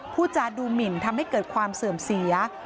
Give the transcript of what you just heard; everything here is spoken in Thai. พูดจาดูหมินทำให้เกิดความเสื่อมเสีย